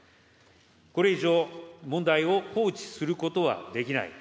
これ以上、問題を放置することはできない。